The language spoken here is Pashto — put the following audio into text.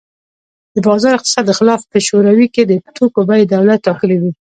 د بازار اقتصاد خلاف په شوروي کې د توکو بیې دولت ټاکلې وې